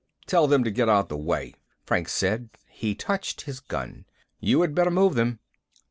"Tell them to get out of the way," Franks said. He touched his gun. "You had better move them."